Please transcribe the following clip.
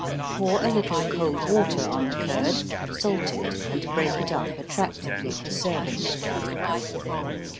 Pour a little cold water on the curd, salt it and break it up attractively for serving.